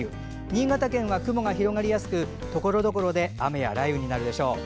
新潟県は雲が広がりやすくところどころで雨や雷雨になるでしょう。